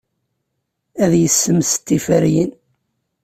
Ad yessemsed tiferyin.